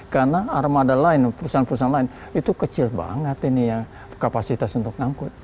karena armada lain perusahaan perusahaan lain itu kecil banget ini ya kapasitas untuk ngangkut